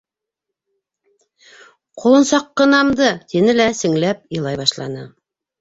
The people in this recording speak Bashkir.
— Ҡолонсаҡҡынамды!.. — тине лә сеңләп илай башланы.